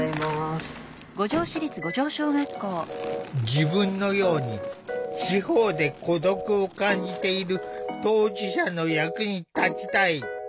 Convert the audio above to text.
自分のように地方で孤独を感じている当事者の役に立ちたい。